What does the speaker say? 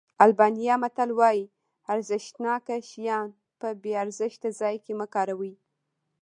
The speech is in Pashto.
آلبانیا متل وایي ارزښتناک شیان په بې ارزښته ځای کې مه کاروئ.